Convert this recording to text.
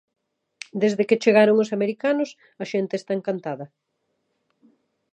Desde que chegaron os americanos, a xente está encantada.